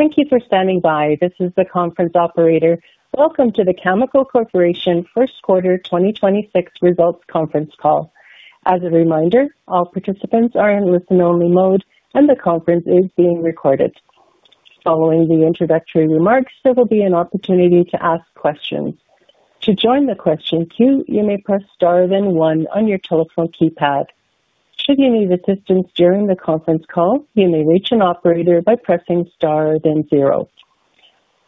Thank you for standing by. This is the conference operator. Welcome to the Cameco Corporation first quarter 2026 results conference call. As a reminder, all participants are in listen-only mode, and the conference is being recorded. Following the introductory remarks, there will be an opportunity to ask questions. To join the question queue, you may press star then one on your telephone keypad. Should you need assistance during the conference call, you may reach an operator by pressing star then zero.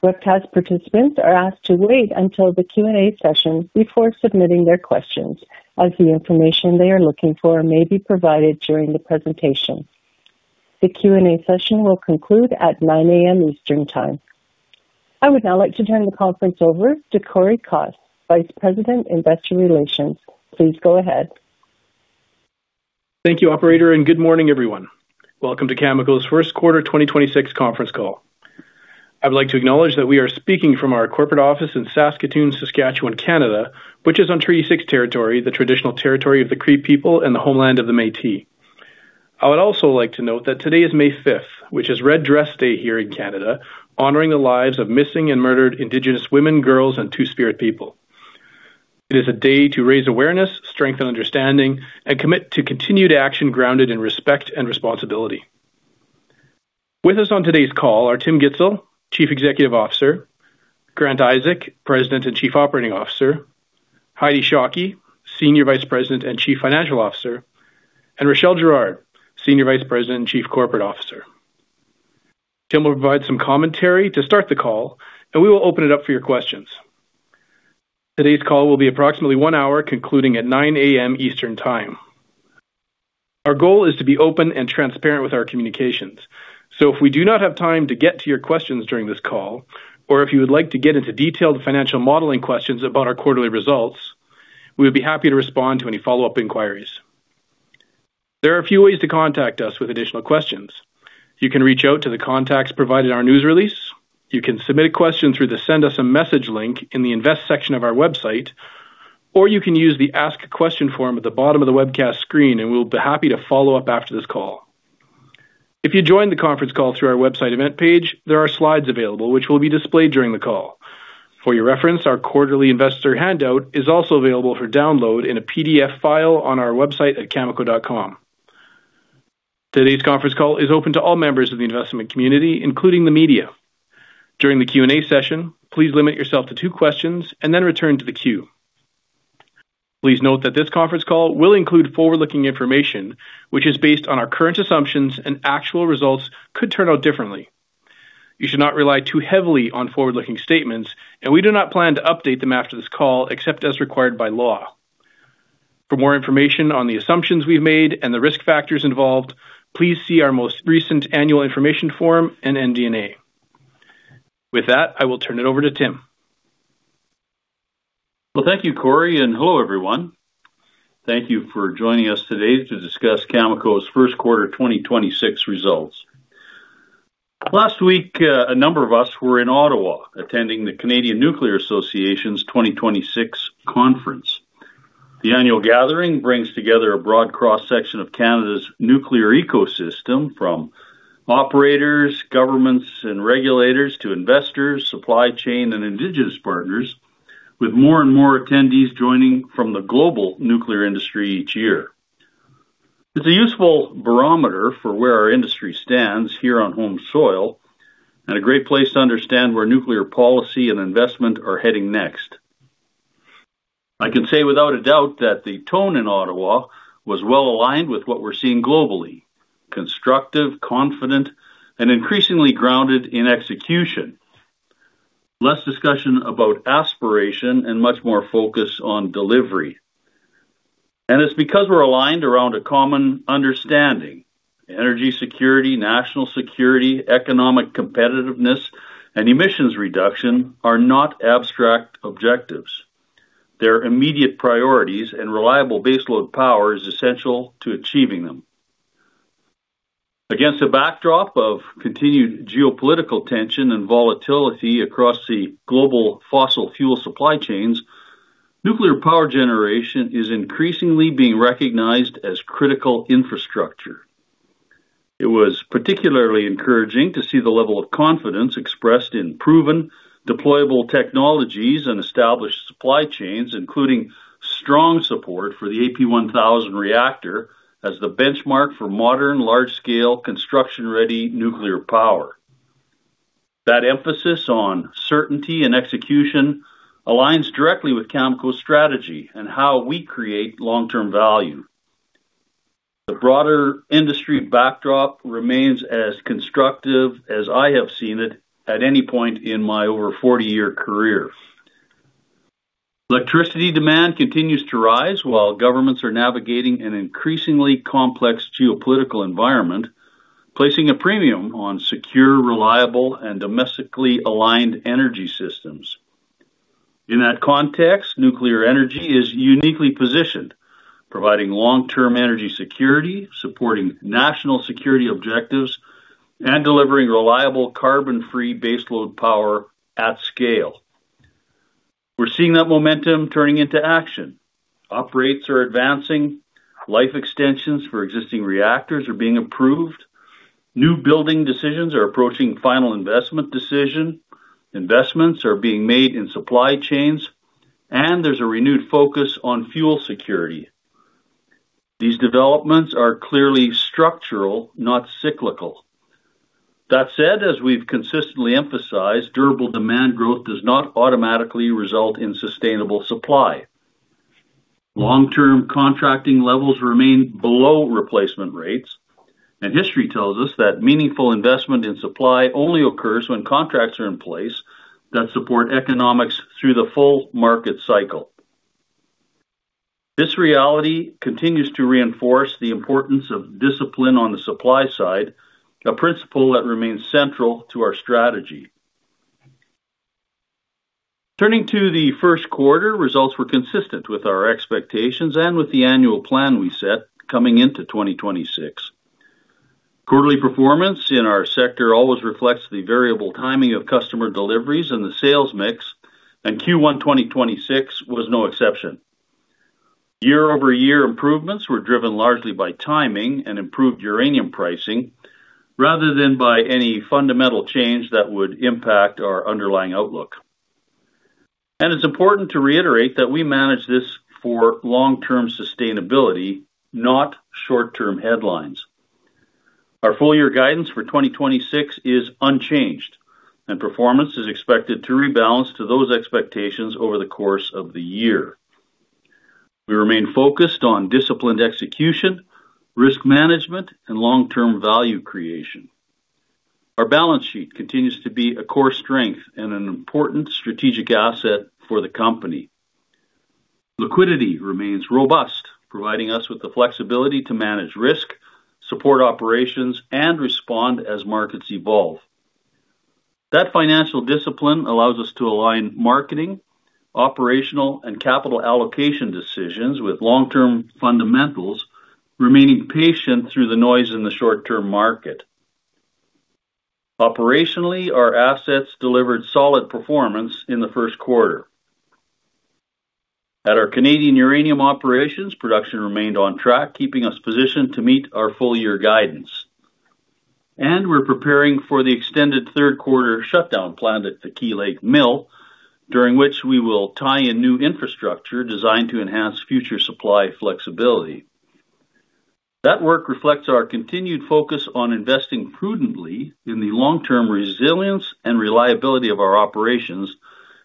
Webcast participants are asked to wait until the Q&A session before submitting their questions, as the information they are looking for may be provided during the presentation. The Q&A session will conclude at 9:00 A.M. Eastern Time. I would now like to turn the conference over to Cory Kos, Vice President, Investor Relations. Please go ahead. Thank you, operator, and good morning, everyone. Welcome to Cameco's first quarter 2026 conference call. I would like to acknowledge that we are speaking from our corporate office in Saskatoon, Saskatchewan, Canada, which is on Treaty 6 territory, the traditional territory of the Cree people and the homeland of the Métis. I would also like to note that today is May fifth, which is Red Dress Day here in Canada, honoring the lives of missing and murdered Indigenous women, girls, and Two-Spirit people. It is a day to raise awareness, strengthen understanding, and commit to continued action grounded in respect and responsibility. With us on today's call are Tim Gitzel, Chief Executive Officer, Grant Isaac, President and Chief Operating Officer, Heidi Shockey, Senior Vice President and Chief Financial Officer, and Rachelle Girard, Senior Vice President and Chief Corporate Officer. Tim will provide some commentary to start the call, and we will open it up for your questions. Today's call will be approximately one hour, concluding at 9:00 A.M. Eastern Time. Our goal is to be open and transparent with our communications. If we do not have time to get to your questions during this call or if you would like to get into detailed financial modeling questions about our quarterly results, we would be happy to respond to any follow-up inquiries. There are a few ways to contact us with additional questions. You can reach out to the contacts provided in our news release. You can submit a question through the Send Us a Message link in the Invest section of our website, or you can use the Ask a Question form at the bottom of the webcast screen, and we'll be happy to follow up after this call. If you joined the conference call through our website event page, there are slides available which will be displayed during the call. For your reference, our quarterly investor handout is also available for download in a PDF file on our website at cameco.com. Today's conference call is open to all members of the investment community, including the media. During the Q&A session, please limit yourself to two questions and then return to the queue. Please note that this conference call will include forward-looking information, which is based on our current assumptions and actual results could turn out differently. You should not rely too heavily on forward-looking statements, and we do not plan to update them after this call, except as required by law. For more information on the assumptions we've made and the risk factors involved, please see our most recent annual information form and MD&A. With that, I will turn it over to Tim. Well, thank you, Cory, and hello, everyone. Thank you for joining us today to discuss Cameco's first quarter 2026 results. Last week, a number of us were in Ottawa attending the Canadian Nuclear Association's 2026 conference. The annual gathering brings together a broad cross-section of Canada's nuclear ecosystem from operators, governments, and regulators to investors, supply chain, and Indigenous partners, with more and more attendees joining from the global nuclear industry each year. It's a useful barometer for where our industry stands here on home soil and a great place to understand where nuclear policy and investment are heading next. I can say without a doubt that the tone in Ottawa was well-aligned with what we're seeing globally. Constructive, confident, and increasingly grounded in execution. Less discussion about aspiration and much more focus on delivery. It's because we're aligned around a common understanding. Energy security, national security, economic competitiveness, and emissions reduction are not abstract objectives. They're immediate priorities. Reliable baseload power is essential to achieving them. Against a backdrop of continued geopolitical tension and volatility across the global fossil fuel supply chains, nuclear power generation is increasingly being recognized as critical infrastructure. It was particularly encouraging to see the level of confidence expressed in proven deployable technologies and established supply chains, including strong support for the AP1000 reactor as the benchmark for modern, large-scale construction-ready nuclear power. That emphasis on certainty and execution aligns directly with Cameco's strategy and how we create long-term value. The broader industry backdrop remains as constructive as I have seen it at any point in my over 40-year career. Electricity demand continues to rise while governments are navigating an increasingly complex geopolitical environment, placing a premium on secure, reliable, and domestically aligned energy systems. In that context, nuclear energy is uniquely positioned, providing long-term energy security, supporting national security objectives, and delivering reliable carbon-free baseload power at scale. We're seeing that momentum turning into action. Operators are advancing, life extensions for existing reactors are being approved, new building decisions are approaching final investment decision, investments are being made in supply chains, and there's a renewed focus on fuel security. These developments are clearly structural, not cyclical. That said, as we've consistently emphasized, durable demand growth does not automatically result in sustainable supply. Long-term contracting levels remain below replacement rates, and history tells us that meaningful investment in supply only occurs when contracts are in place that support economics through the full market cycle. This reality continues to reinforce the importance of discipline on the supply side, a principle that remains central to our strategy. Turning to the first quarter, results were consistent with our expectations and with the annual plan we set coming into 2026. Quarterly performance in our sector always reflects the variable timing of customer deliveries and the sales mix, and Q1 2026 was no exception. Year-over-year improvements were driven largely by timing and improved uranium pricing rather than by any fundamental change that would impact our underlying outlook. It's important to reiterate that we manage this for long-term sustainability, not short-term headlines. Our full-year guidance for 2026 is unchanged, and performance is expected to rebalance to those expectations over the course of the year. We remain focused on disciplined execution, risk management, and long-term value creation. Our balance sheet continues to be a core strength and an important strategic asset for the company. Liquidity remains robust, providing us with the flexibility to manage risk, support operations, and respond as markets evolve. That financial discipline allows us to align marketing, operational, and capital allocation decisions with long-term fundamentals, remaining patient through the noise in the short-term market. Operationally, our assets delivered solid performance in the first quarter. At our Canadian uranium operations, production remained on track, keeping us positioned to meet our full-year guidance. We're preparing for the extended third quarter shutdown planned at the Key Lake Mill, during which we will tie in new infrastructure designed to enhance future supply flexibility. That work reflects our continued focus on investing prudently in the long-term resilience and reliability of our operations,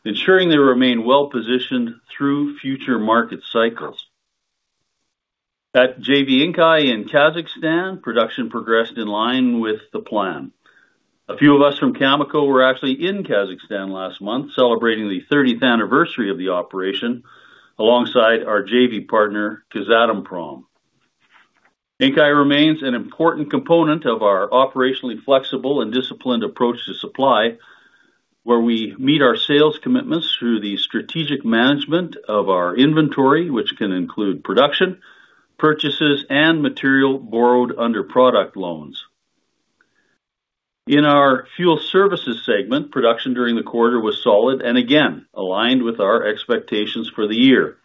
ensuring they remain well-positioned through future market cycles. At JV Inkai in Kazakhstan, production progressed in line with the plan. A few of us from Cameco were actually in Kazakhstan last month, celebrating the thirtieth anniversary of the operation alongside our JV partner, Kazatomprom. Inkai remains an important component of our operationally flexible and disciplined approach to supply, where we meet our sales commitments through the strategic management of our inventory, which can include production, purchases, and material borrowed under product loans. In our fuel services segment, production during the quarter was solid and again aligned with our expectations for the year.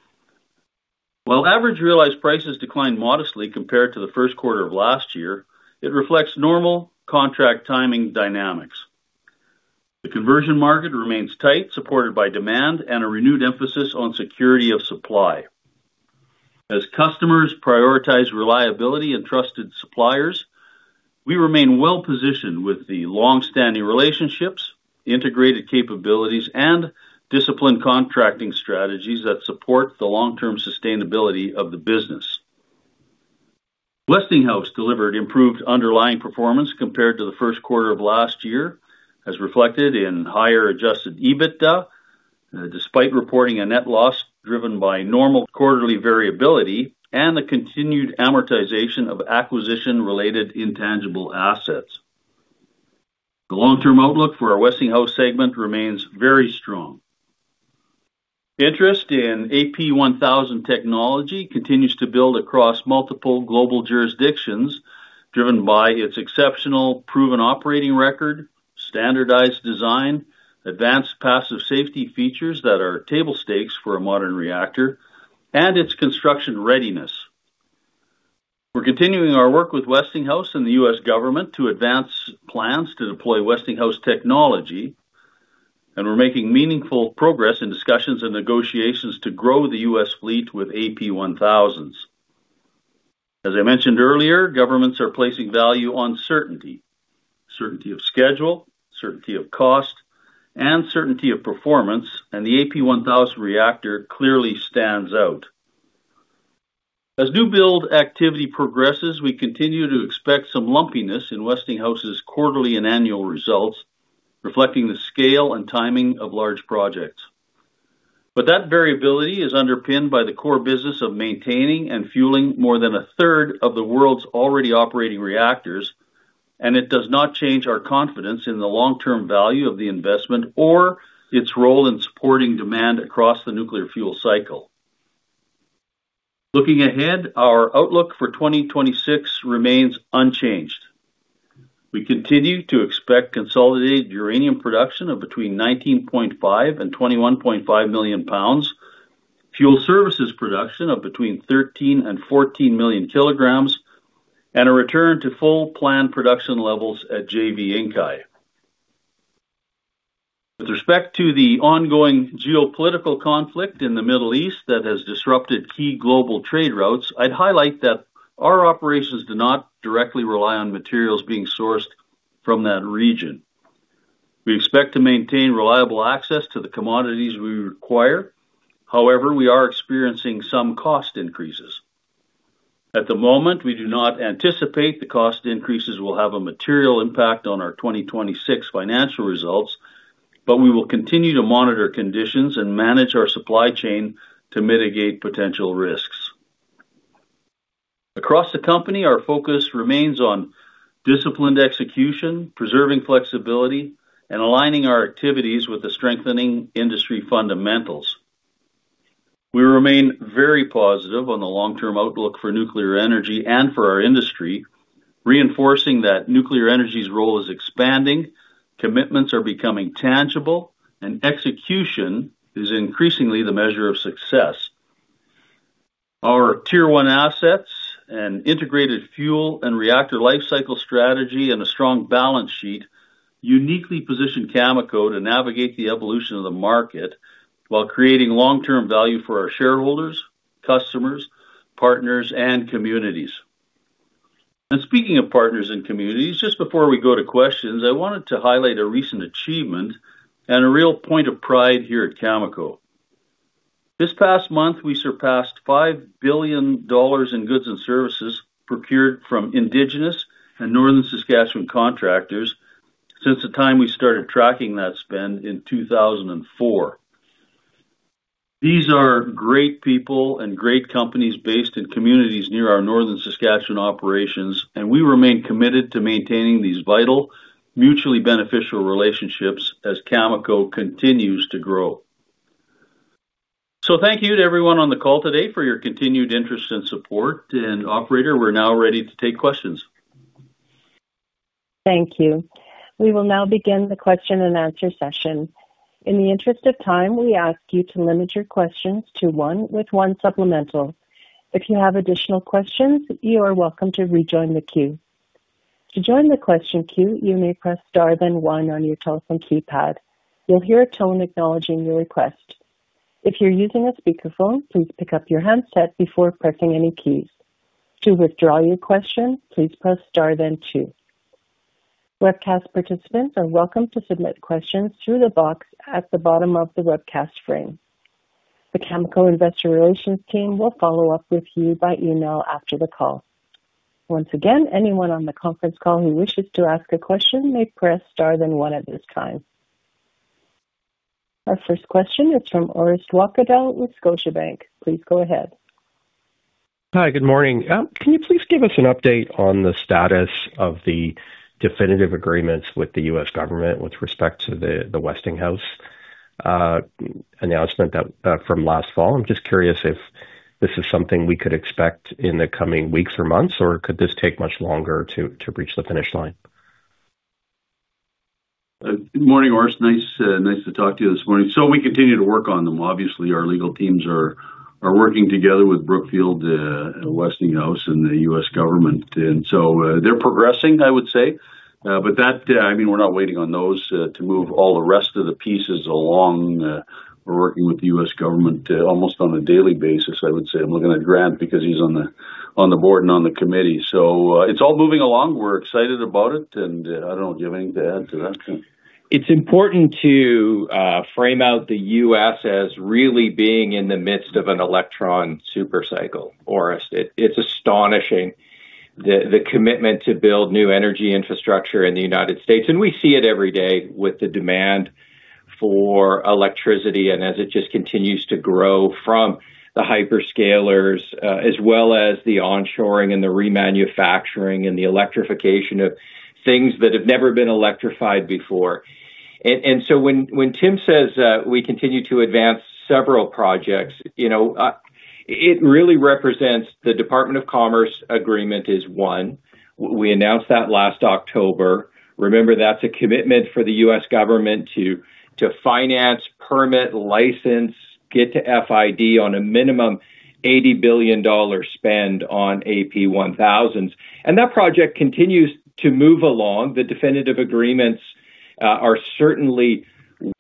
While average realized prices declined modestly compared to the first quarter of last year, it reflects normal contract timing dynamics. The conversion market remains tight, supported by demand and a renewed emphasis on security of supply. As customers prioritize reliability and trusted suppliers, we remain well-positioned with the long-standing relationships, integrated capabilities, and disciplined contracting strategies that support the long-term sustainability of the businefss. Westinghouse delivered improved underlying performance compared to the first quarter of last year, as reflected in higher adjusted EBITDA, despite reporting a net loss driven by normal quarterly variability and the continued amortization of acquisition-related intangible assets. The long-term outlook for our Westinghouse segment remains very strong. Interest in AP1000 technology continues to build across multiple global jurisdictions driven by its exceptional proven operating record, standardized design, advanced passive safety features that are table stakes for a modern reactor, and its construction readiness. We're continuing our work with Westinghouse and the U.S. government to advance plans to deploy Westinghouse technology, and we're making meaningful progress in discussions and negotiations to grow the US fleet with AP1000s. As I mentioned earlier, governments are placing value on certainty of schedule, certainty of cost, and certainty of performance, and the AP1000 reactor clearly stands out. As new build activity progresses, we continue to expect some lumpiness in Westinghouse's quarterly and annual results, reflecting the scale and timing of large projects. That variability is underpinned by the core business of maintaining and fueling more than a third of the world's already operating reactors, and it does not change our confidence in the long-term value of the investment or its role in supporting demand across the nuclear fuel cycle. Looking ahead, our outlook for 2026 remains unchanged. We continue to expect consolidated uranium production of between 19.5 and 21.5 million pounds, fuel services production of between 13 and 14 million kilograms, and a return to full planned production levels at JV Inkai. With respect to the ongoing geopolitical conflict in the Middle East that has disrupted key global trade routes, I'd highlight that our operations do not directly rely on materials being sourced from that region. We expect to maintain reliable access to the commodities we require. However, we are experiencing some cost increases. At the moment, we do not anticipate the cost increases will have a material impact on our 2026 financial results, but we will continue to monitor conditions and manage our supply chain to mitigate potential risks. Across the company, our focus remains on disciplined execution, preserving flexibility, and aligning our activities with the strengthening industry fundamentals. We remain very positive on the long-term outlook for nuclear energy and for our industry, reinforcing that nuclear energy's role is expanding, commitments are becoming tangible, and execution is increasingly the measure of success. Our tier one assets and integrated fuel and reactor lifecycle strategy and a strong balance sheet uniquely position Cameco to navigate the evolution of the market while creating long-term value for our shareholders, customers, partners, and communities. Speaking of partners and communities, just before we go to questions, I wanted to highlight a recent achievement and a real point of pride here at Cameco. This past month, we surpassed $5 billion in goods and services procured from Indigenous and Northern Saskatchewan contractors since the time we started tracking that spend in 2004. These are great people and great companies based in communities near our Northern Saskatchewan operations. We remain committed to maintaining these vital, mutually beneficial relationships as Cameco continues to grow. Thank you to everyone on the call today for your continued interest and support. Operator, we're now ready to take questions. Thank you. We will now begin the question-and-answer session. In the interest of time, we ask you to limit your questions to one with one supplemental. If you have additional questions, you are welcome to rejoin the queue. To join the question queue, you may press star then one on your telephone keypad. You'll hear a tone acknowledging your request. If you're using a speakerphone, please pick up your handset before pressing any keys. To withdraw your question, please press star then two. Webcast participants are welcome to submit questions through the box at the bottom of the webcast frame. The Cameco investor relations team will follow up with you by email after the call. Once again, anyone on the conference call who wishes to ask a question may press star then one at this time. Our first question is from Orest Wowkodaw with Scotiabank. Please go ahead. Hi. Good morning. Can you please give us an update on the status of the definitive agreements with the U.S. government with respect to the Westinghouse announcement that from last fall? I'm just curious if this is something we could expect in the coming weeks or months, or could this take much longer to reach the finish line? Good morning, Orest. Nice, nice to talk to you this morning. We continue to work on them. Obviously, our legal teams are working together with Brookfield and Westinghouse and the U.S. government. They're progressing, I would say. That, I mean, we're not waiting on those to move all the rest of the pieces along. We're working with the U.S. government almost on a daily basis, I would say. I'm looking at Grant because he's on the board and on the committee. It's all moving along. We're excited about it, and, I don't know. Do you have anything to add to that? It's important to frame out the U.S. As really being in the midst of an electron super cycle, Orest. It's astonishing the commitment to build new energy infrastructure in the United States, and we see it every day with the demand for electricity and as it just continues to grow from the hyperscalers, as well as the onshoring and the remanufacturing and the electrification of things that have never been electrified before. So when Tim says, we continue to advance several projects, you know, it really represents the Department of Commerce agreement is one. We announced that last October. Remember, that's a commitment for the U.S. government to finance, permit, license, get to FID on a minimum $80 billion spend on AP1000. That project continues to move along. The definitive agreements are certainly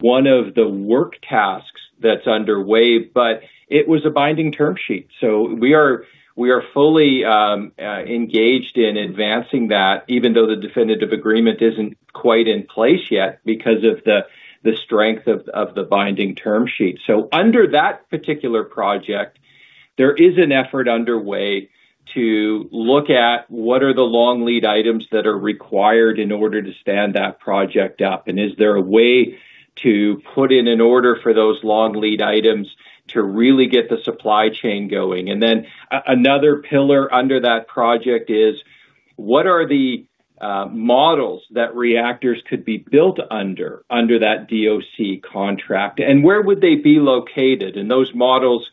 one of the work tasks that's underway, but it was a binding term sheet. We are fully engaged in advancing that, even though the definitive agreement isn't quite in place yet because of the strength of the binding term sheet. Under that particular project, there is an effort underway to look at what are the long lead items that are required in order to stand that project up, and is there a way to put in an order for those long lead items to really get the supply chain going. Another pillar under that project is, what are the models that reactors could be built under that DOC contract, and where would they be located? Those models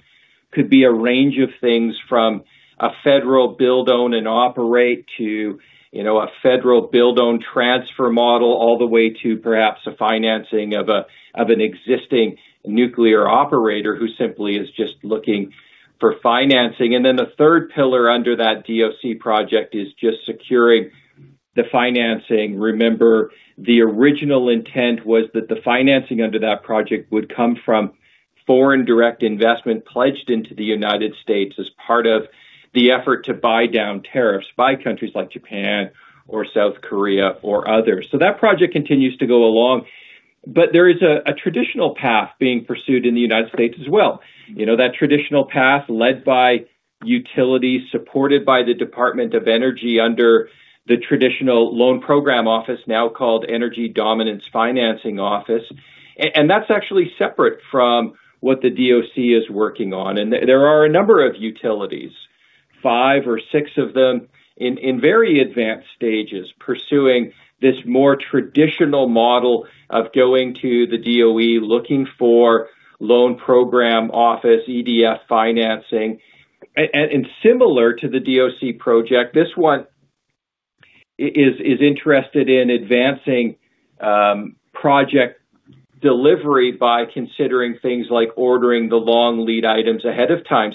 could be a range of things from a federal build, own, and operate to, you know, a federal build own transfer model, all the way to perhaps the financing of an existing nuclear operator who simply is just looking for financing. The third pillar under that DOC project is just securing the financing. Remember, the original intent was that the financing under that project would come from foreign direct investment pledged into the United States as part of the effort to buy down tariffs by countries like Japan or South Korea or others. That project continues to go along. There is a traditional path being pursued in the United States as well. You know, that traditional path led by utilities, supported by the Department of Energy under the traditional Loan Programs Office, now called Office of Energy Dominance Financing. That's actually separate from what the DOC is working on. There are a number of utilities, five or six of them in very advanced stages, pursuing this more traditional model of going to the DOE, looking for Loan Programs Office EDF financing. Similar to the DOC project, this one is interested in advancing project delivery by considering things like ordering the long lead items ahead of time.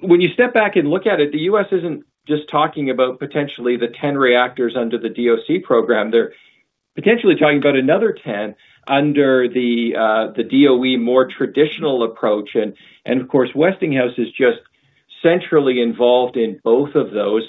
When you step back and look at it, the U.S. isn't just talking about potentially the 10 reactors under the DOC program, they're potentially talking about another 10 under the DOE more traditional approach. Of course, Westinghouse is just centrally involved in both of those,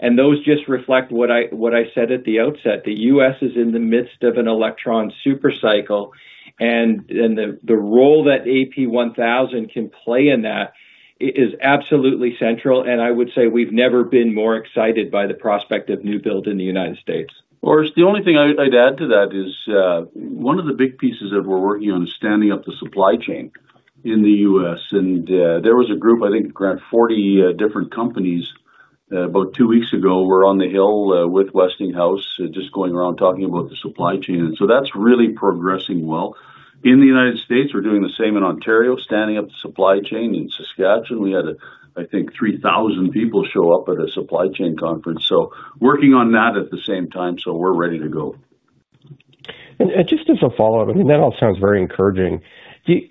and those just reflect what I said at the outset. The U.S. is in the midst of an electron super cycle, and the role that AP1000 can play in that is absolutely central, and I would say we've never been more excited by the prospect of new build in the United States. Orest, the only thing I'd add to that is one of the big pieces that we're working on is standing up the supply chain in the U.S. There was a group, I think, Grant, 40 different companies, about two weeks ago were on the Hill with Westinghouse just going around talking about the supply chain. That's really progressing well in the United States. We're doing the same in Ontario, standing up the supply chain. In Saskatchewan, we had, I think, 3,000 people show up at a supply chain conference. Working on that at the same time, so we're ready to go. Just as a follow-up, I mean, that all sounds very encouraging.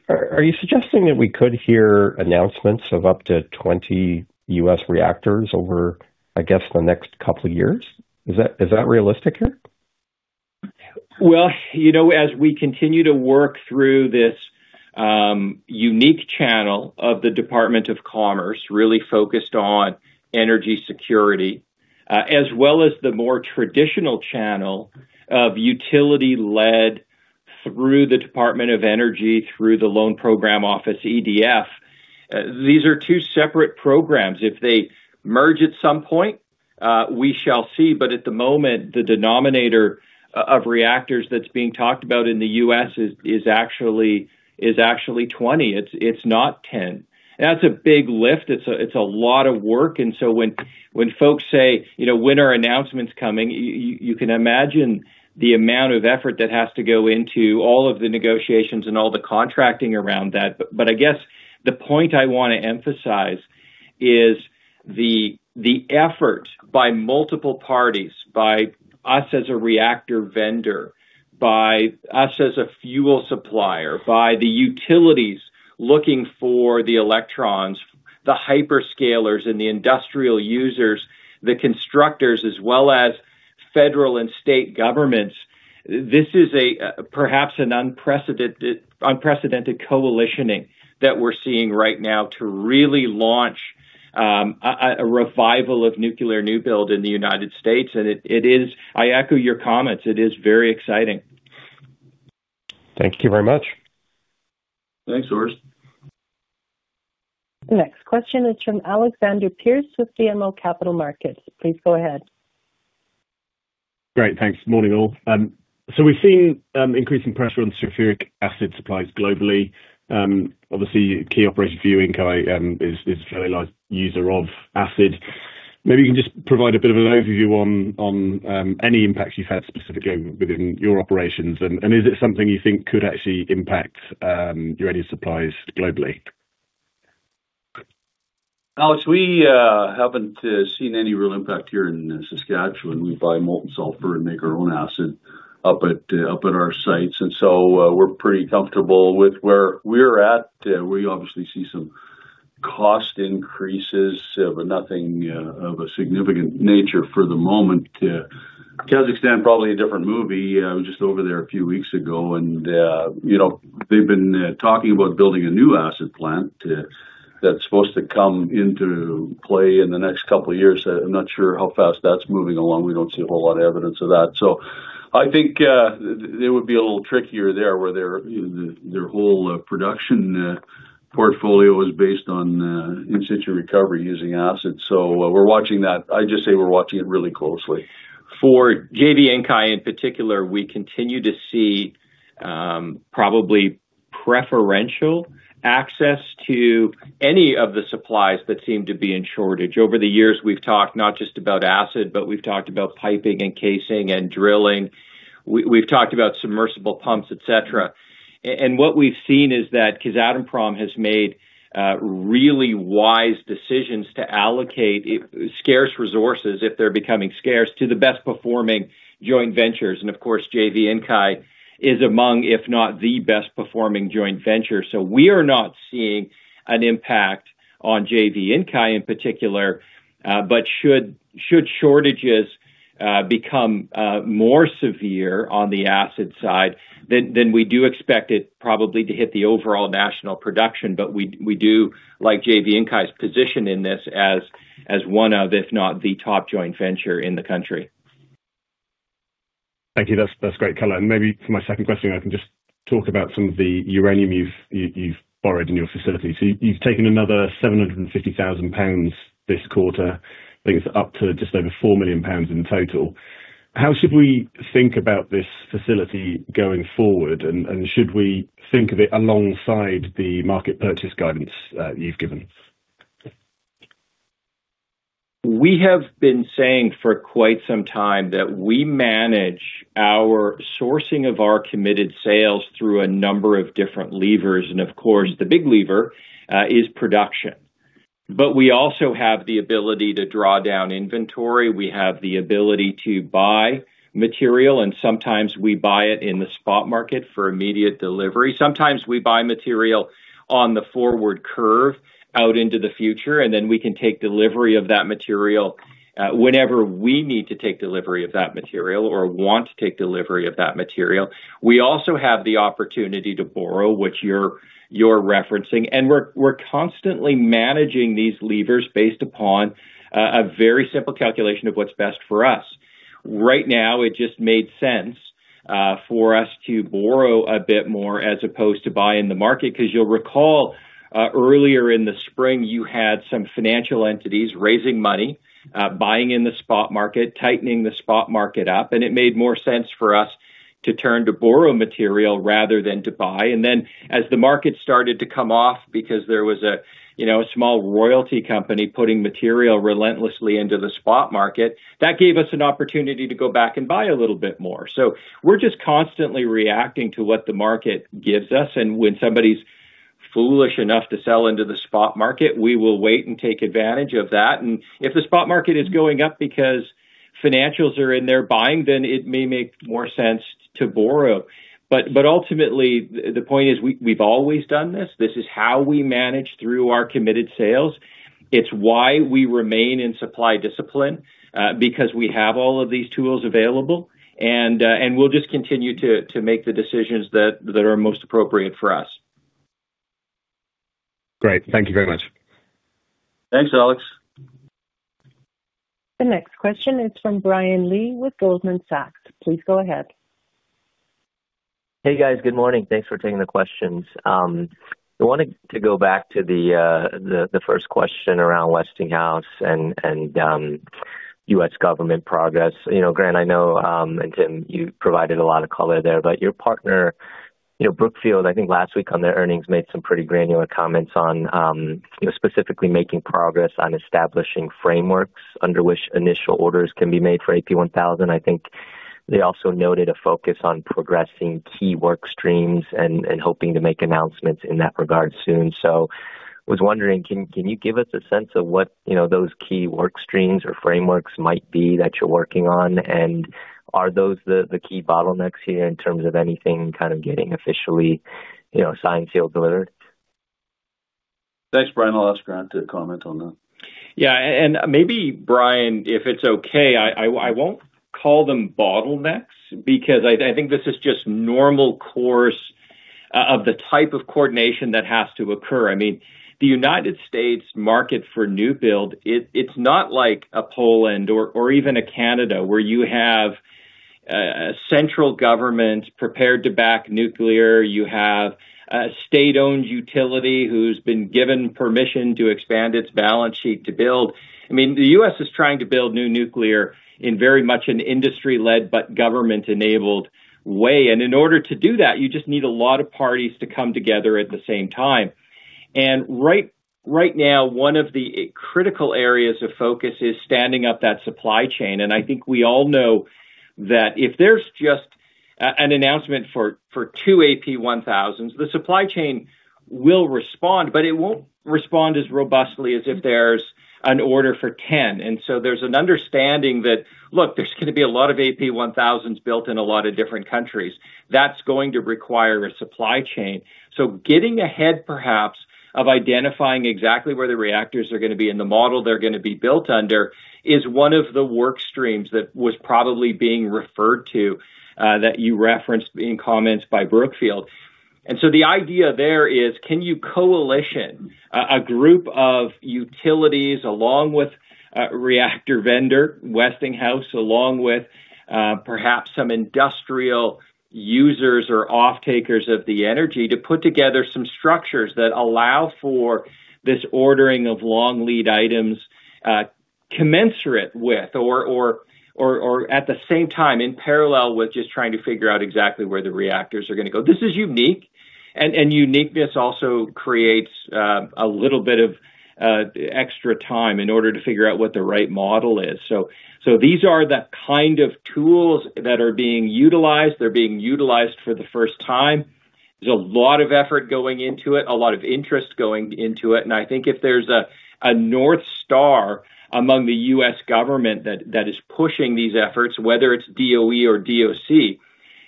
Are you suggesting that we could hear announcements of up to 20 U.S. reactors over, I guess, the next couple of years? Is that realistic here? Well, you know, as we continue to work through this unique channel of the Department of Commerce, really focused on energy security, as well as the more traditional channel of utility-led through the Department of Energy, through the Loan Programs Office, EDF, these are two separate programs. If they merge at some point, we shall see, but at the moment, the denominator of reactors that's being talked about in the U.S. is actually 20, it's not 10. That's a big lift. It's a lot of work. When folks say, "When are announcements coming?" You can imagine the amount of effort that has to go into all of the negotiations and all the contracting around that. I guess the point I wanna emphasize is the effort by multiple parties, by us as a reactor vendor, by us as a fuel supplier, by the utilities looking for the electrons, the hyperscalers and the industrial users, the constructors, as well as federal and state governments. This is a perhaps an unprecedented coalitioning that we're seeing right now to really launch a revival of nuclear new build in the United States. It is, I echo your comments. It is very exciting. Thank you very much. Thanks, Orest. Next question is from Alexander Pearce with BMO Capital Markets. Please go ahead. Great. Thanks. Morning, all. We're seeing increasing pressure on sulfuric acid supplies globally. Obviously key operation for you, Inkai, is a very large user of acid. Maybe you can just provide a bit of an overview on any impacts you've had specifically within your operations, and is it something you think could actually impact your any supplies globally? Alex, we haven't seen any real impact here in Saskatchewan. We buy molten sulfur and make our own acid up at our sites. We're pretty comfortable with where we're at. We obviously see some cost increases, but nothing of a significant nature for the moment. Kazakhstan, probably a different movie. Was just over there a few weeks ago and, you know, they've been talking about building a new acid plant that's supposed to come into play in the next couple of years. I'm not sure how fast that's moving along. We don't see a whole lot of evidence of that. I think it would be a little trickier there, where their whole production portfolio is based on in-situ recovery using acid. We're watching that. I'd just say we're watching it really closely. For JV Inkai, in particular, we continue to see Preferential access to any of the supplies that seem to be in shortage. Over the years, we've talked not just about acid, but we've talked about piping and casing and drilling. We've talked about submersible pumps, etc. What we've seen is that Kazatomprom has made really wise decisions to allocate scarce resources, if they're becoming scarce, to the best performing joint ventures. Of course, JV Inkai is among, if not the best performing joint venture. So we are not seeing an impact on JV Inkai in particular. Should shortages become more severe on the acid side, we do expect it probably to hit the overall national production, but we do like JV Inkai's position in this as one of, if not the top joint venture in the country. Thank you. That's great color. Maybe for my second question, I can just talk about some of the uranium you've borrowed in your facility. You've taken another 750,000 pounds this quarter. I think it's up to just over 4 million pounds in total. How should we think about this facility going forward? Should we think of it alongside the market purchase guidance you've given? We have been saying for quite some time that we manage our sourcing of our committed sales through a number of different levers. Of course, the big lever is production. We also have the ability to draw down inventory, we have the ability to buy material, and sometimes we buy it in the spot market for immediate delivery. Sometimes we buy material on the forward curve out into the future, and then we can take delivery of that material whenever we need to take delivery of that material or want to take delivery of that material. We also have the opportunity to borrow, which you're referencing. We're constantly managing these levers based upon a very simple calculation of what's best for us. Right now, it just made sense for us to borrow a bit more as opposed to buy in the market, 'cause you'll recall earlier in the spring, you had some financial entities raising money, buying in the spot market, tightening the spot market up, and it made more sense for us to turn to borrow material rather than to buy. As the market started to come off because there was a, you know, a small royalty company putting material relentlessly into the spot market, that gave us an opportunity to go back and buy a little bit more. We're just constantly reacting to what the market gives us. When somebody's foolish enough to sell into the spot market, we will wait and take advantage of that. If the spot market is going up because financials are in there buying, then it may make more sense to borrow. Ultimately, the point is we've always done this. This is how we manage through our committed sales. It is why we remain in supply discipline because we have all of these tools available. We will just continue to make the decisions that are most appropriate for us. Great. Thank you very much. Thanks, Alex. The next question is from Brian Lee with Goldman Sachs. Please go ahead. Hey, guys. Good morning. Thanks for taking the questions. I wanted to go back to the first question around Westinghouse and U.S. government progress. You know, Grant, I know, and Tim, you provided a lot of color there, but your partner, you know, Brookfield, I think last week on their earnings made some pretty granular comments on, you know, specifically making progress on establishing frameworks under which initial orders can be made for AP1000. I think they also noted a focus on progressing key work streams and hoping to make announcements in that regard soon. Was wondering, can you give us a sense of what, you know, those key work streams or frameworks might be that you're working on? Are those the key bottlenecks here in terms of anything kind of getting officially, you know, signed, sealed, delivered? Thanks, Brian. I'll ask Grant to comment on that. Yeah. Maybe, Brian, if it's okay, I won't call them bottlenecks because I think this is just normal course of the type of coordination that has to occur. I mean, the United States market for new build, it's not like a Poland or even a Canada, where you have a central government prepared to back nuclear. You have a state-owned utility who's been given permission to expand its balance sheet to build. I mean, the U.S. is trying to build new nuclear in very much an industry-led but government-enabled way. In order to do that, you just need a lot of parties to come together at the same time. Right now, one of the critical areas of focus is standing up that supply chain. I think we all know that if there's just an announcement for two AP1000, the supply chain will respond, but it won't respond as robustly as if there's an order for 10. There's an understanding that, look, there's gonna be a lot of AP1000 built in a lot of different countries. That's going to require a supply chain. Getting ahead perhaps of identifying exactly where the reactors are gonna be and the model they're gonna be built under is one of the work streams that was probably being referred to, that you referenced in comments by Brookfield. The idea there is, can you coalition a group of utilities along with a reactor vendor, Westinghouse, along with perhaps some industrial users or offtakers of the energy to put together some structures that allow for this ordering of long lead items, Commensurate with or at the same time, in parallel with just trying to figure out exactly where the reactors are gonna go. This is unique and uniqueness also creates a little bit of extra time in order to figure out what the right model is. These are the kind of tools that are being utilized. They're being utilized for the first time. There's a lot of effort going into it, a lot of interest going into it. I think if there's a North Star among the U.S. government that is pushing these efforts, whether it's DOE or DOC,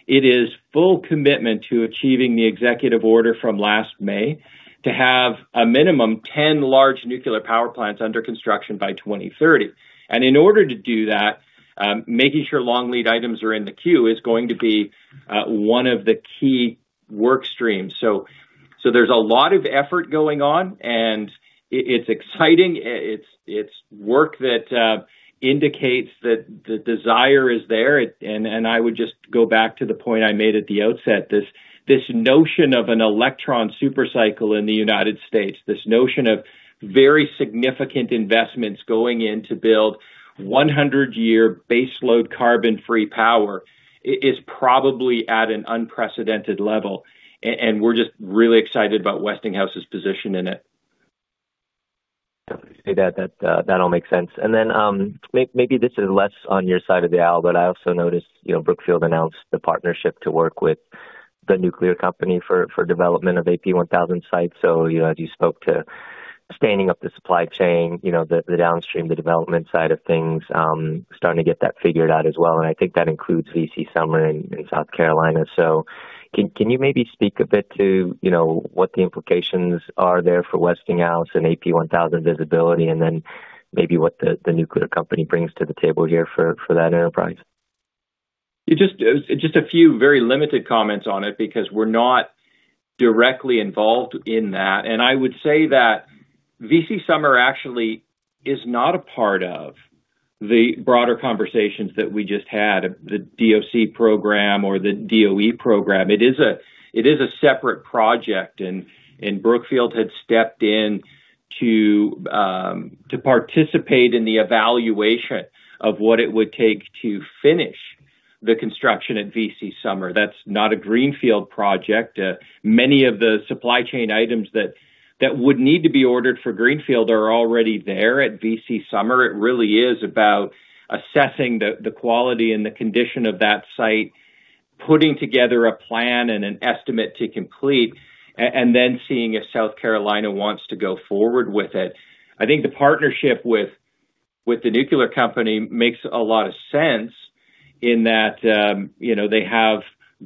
it is full commitment to achieving the Executive Order from last May to have a minimum 10 large nuclear power plants under construction by 2030. In order to do that, making sure long lead items are in the queue is going to be one of the key work streams. There's a lot of effort going on. It's exciting. It's work that indicates that the desire is there. I would just go back to the point I made at the outset. This notion of an electron super cycle in the U.S., this notion of very significant investments going in to build 100 year baseload carbon-free power is probably at an unprecedented level, and we're just really excited about Westinghouse's position in it. Definitely see that. That all makes sense. Maybe this is less on your side of the aisle, but I also noticed, you know, Brookfield announced the partnership to work with The Nuclear Company for development of AP1000 sites. You know, as you spoke to standing up the supply chain, you know, the downstream, the development side of things, starting to get that figured out as well, and I think that includes VC Summer in South Carolina. Can you maybe speak a bit to, you know, what the implications are there for Westinghouse and AP1000 visibility and then maybe what The Nuclear Company brings to the table here for that enterprise? Just, just a few very limited comments on it because we're not directly involved in that. I would say that VC Summer actually is not a part of the broader conversations that we just had, the DOC program or the DOE program. It is a separate project, and Brookfield had stepped in to participate in the evaluation of what it would take to finish the construction at VC Summer. That's not a greenfield project. Many of the supply chain items that would need to be ordered for greenfield are already there at VC Summer. It really is about assessing the quality and the condition of that site, putting together a plan and an estimate to complete and then seeing if South Carolina wants to go forward with it. I think the partnership with The Nuclear Company makes a lot of sense in that, you know, they have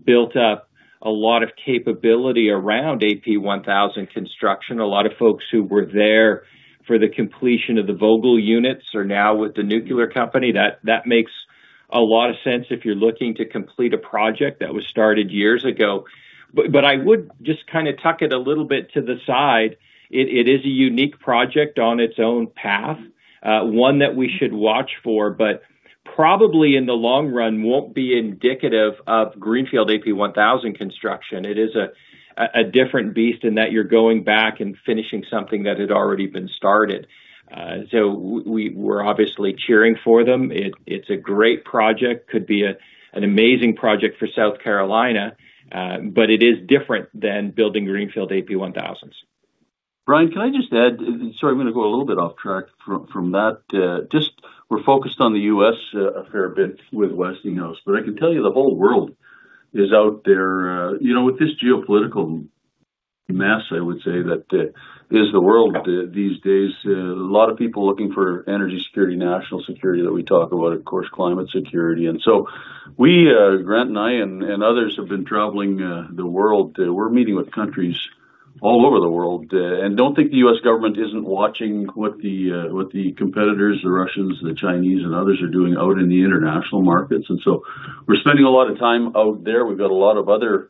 built up a lot of capability around AP1000 construction. A lot of folks who were there for the completion of the Vogtle units are now with The Nuclear Company. That makes a lot of sense if you're looking to complete a project that was started years ago. I would just kinda tuck it a little bit to the side. It is a unique project on its own path, one that we should watch for, probably in the long run won't be indicative of greenfield AP1000 construction. It is a different beast in that you're going back and finishing something that had already been started. We're obviously cheering for them. It's a great project, could be an amazing project for South Carolina, but it is different than building greenfield AP1000s. Brian, can I just add, sorry, I'm going to go a little bit off track from that. Just we're focused on the U.S. a fair bit with Westinghouse, I can tell you the whole world is out there. With this geopolitical mess, I would say that is the world these days. A lot of people are looking for energy security, national security that we talk about, of course, climate security. We, Grant and I and others have been traveling the world. We're meeting with countries all over the world. Don't think the U.S. government isn't watching what the competitors, the Russians, the Chinese, and others are doing out in the international markets. We're spending a lot of time out there. We've got a lot of other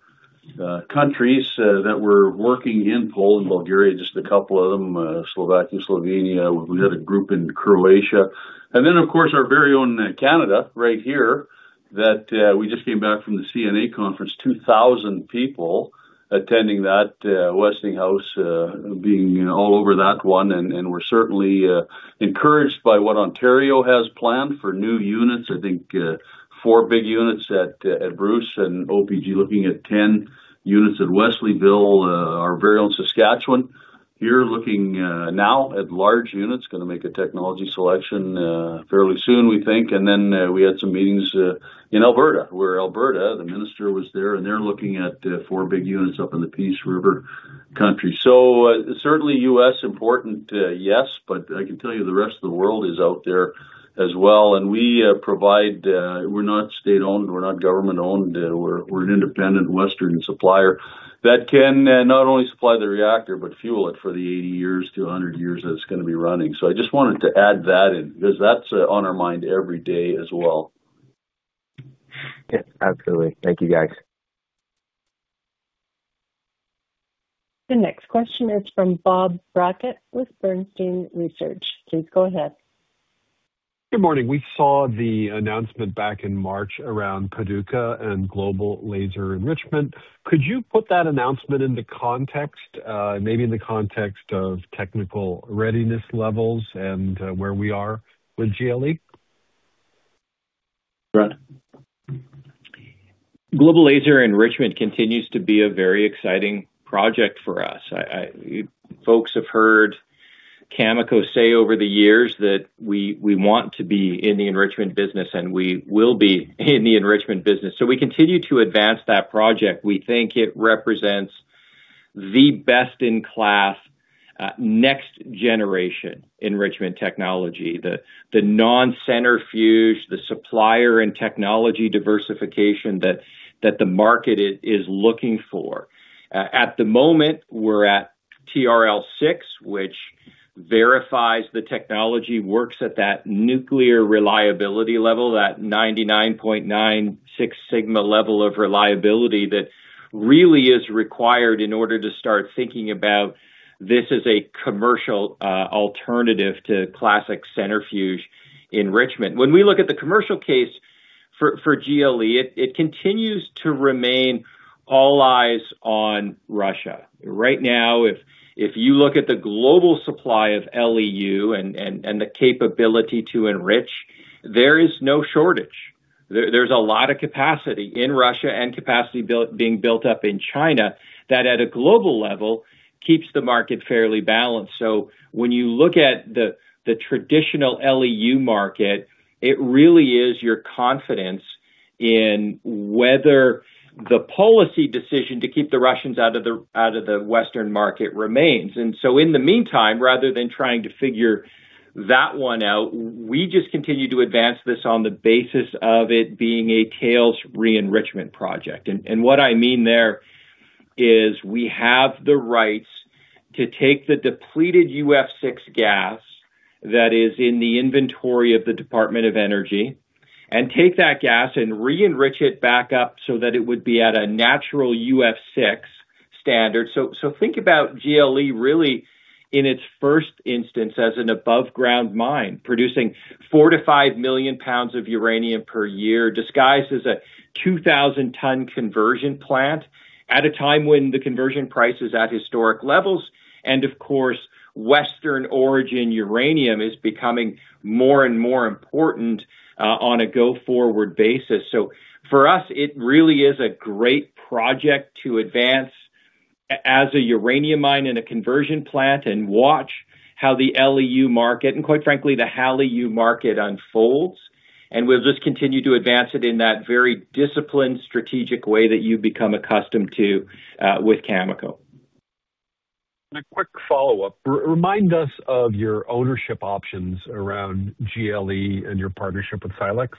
countries that we're working in, Poland, Bulgaria, just a couple of them, Slovakia and Slovenia. We had a group in Croatia. Of course, our very own Canada right here that we just came back from the CNA conference, 2,000 people attending that. Westinghouse, being, you know, all over that one. We're certainly encouraged by what Ontario has planned for new units. I think four big units at Bruce and OPG looking at 10 units at Wesleyville. Our very own Saskatchewan here looking now at large units, gonna make a technology selection fairly soon, we think. We had some meetings in Alberta, where Alberta, the minister was there, and they're looking at four big units up in the Peace River country. Certainly U.S. important, yes, but I can tell you the rest of the world is out there as well. We provide. We're not state-owned, we're not government-owned, we're an independent Western supplier that can not only supply the reactor but fuel it for the 80 years to 100 years that it's going to be running. I just wanted to add that in because that's on our mind every day as well. Yeah, absolutely. Thank you, guys. The next question is from Bob Brackett with Bernstein Research. Please go ahead. Good morning. We saw the announcement back in March around Paducah and Global Laser Enrichment. Could you put that announcement into context, maybe in the context of technical readiness levels and where we are with GLE? Right. Global Laser Enrichment continues to be a very exciting project for us. Folks have heard Cameco say over the years that we want to be in the enrichment business, and we will be in the enrichment business. We continue to advance that project. We think it represents the best-in-class next generation enrichment technology. The non-centrifuge, the supplier and technology diversification that the market is looking for. At the moment, we're at TRL 6, which verifies the technology works at that nuclear reliability level, that 99.96 sigma level of reliability that really is required in order to start thinking about this as a commercial alternative to classic centrifuge enrichment. When we look at the commercial case for GLE, it continues to remain all eyes on Russia. Right now, if you look at the global supply of LEU and the capability to enrich, there is no shortage. There's a lot of capacity in Russia and capacity being built up in China that at a global level, keeps the market fairly balanced. When you look at the traditional LEU market, it really is your confidence in whether the policy decision to keep the Russians out of the Western market remains. In the meantime, rather than trying to figure that one out, we just continue to advance this on the basis of it being a tails re-enrichment project. What I mean there is we have the rights to take the depleted UF6 gas that is in the inventory of the Department of Energy and take that gas and re-enrich it back up so that it would be at a natural UF6 standard. Think about GLE really in its first instance as an above-ground mine, producing 4 to 5 million pounds of uranium per year, disguised as a 2,000 ton conversion plant at a time when the conversion price is at historic levels. Of course, Western origin uranium is becoming more and more important on a go-forward basis. For us, it really is a great project to advance as a uranium mine and a conversion plant and watch how the LEU market, and quite frankly, the HALEU market unfolds. We'll just continue to advance it in that very disciplined, strategic way that you've become accustomed to with Cameco. A quick follow-up. Remind us of your ownership options around GLE and your partnership with Silex.